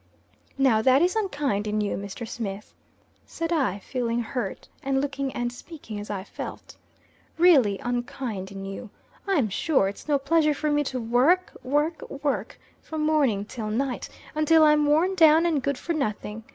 "Now, that is unkind in you, Mr. Smith," said I, feeling hurt, and looking and speaking as I felt. "Really unkind in you. I'm sure it's no pleasure for me to work, work, work, from morning till night, until I'm worn down and good for nothing.